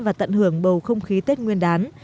và tận hưởng bầu không khí tết nguyên đán